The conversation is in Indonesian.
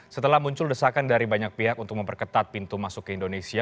setelah muncul desakan dari banyak pihak untuk memperketat pintu masuk ke indonesia